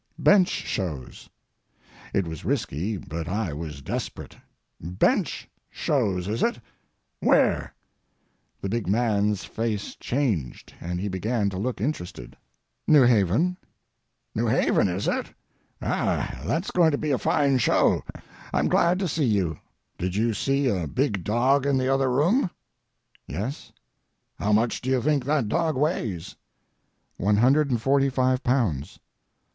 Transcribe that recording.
"Bench shows." It was risky, but I was desperate. "Bench—shows, is it—where?" The big man's face changed, and he began to look interested. "New Haven." "New Haven, it is? Ah, that's going to be a fine show. I'm glad to see you. Did you see a big dog in the other room?" "Yes." "How much do you think that dog weighs?" "One hundred and forty five pounds."